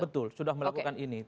betul sudah melakukan ini